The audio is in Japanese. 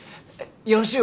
よろしゅう